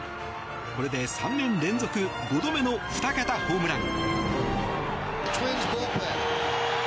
これで３年連続５度目の２桁ホームラン。